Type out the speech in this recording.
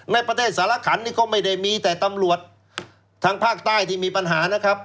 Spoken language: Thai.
ในประเทศสารขันนี่ก็ไม่ได้มีแต่ตำรวจทางภาคใต้ที่มีปัญหานะครับ